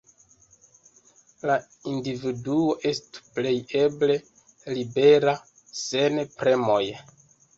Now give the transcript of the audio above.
La individuo estu plej eble libera sen premoj.